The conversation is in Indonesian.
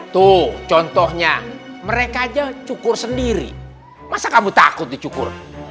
tuh contohnya mereka aja cukur sendiri masa kamu takut dicukur